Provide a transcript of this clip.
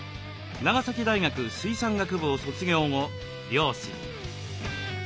長崎大学水産学部を卒業後漁師に。